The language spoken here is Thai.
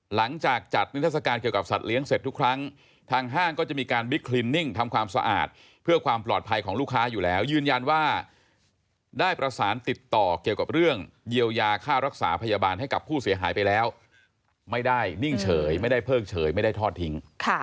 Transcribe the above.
หลังจากจัดนิทัศกาลเกี่ยวกับสัตว์เลี้ยงเสร็จทุกครั้งทางห้างก็จะมีการบิ๊กคลินนิ่งทำความสะอาดเพื่อความปลอดภัยของลูกค้าอยู่แล้วยืนยันว่าได้ประสานติดต่อเกี่ยวกับเรื่องเยียวยาค่ารักษาพยาบาลให้กับผู้เสียหายไปแล้วไม่ได้นิ่งเฉยไม่ได้เพิ่งเฉยไม่ได้ทอดทิ้ง